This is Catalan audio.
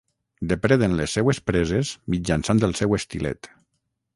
Depreden les seues preses mitjançant el seu estilet.